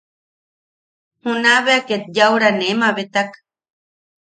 Juna bea ket yaʼura nee mabetak.